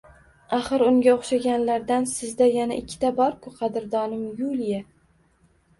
Axir unga oʻxshaganlardan sizda yana ikkita bor-ku, qadrdonim Yuliya…